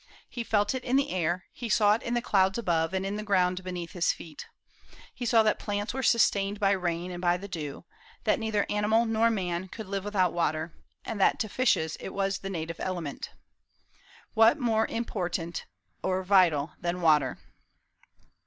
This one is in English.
He felt it in the air, he saw it in the clouds above and in the ground beneath his feet. He saw that plants were sustained by rain and by the dew, that neither animal nor man could live without water, and that to fishes it was the native element. What more important or vital than water?